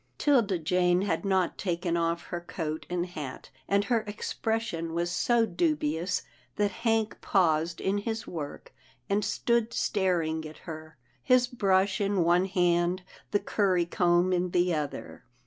" 'Tilda Jane had not taken off her coat and hat, and her expression was so dubious that Hank paused in his work, and stood staring at her, his brush in one hand, the curry comb in the other.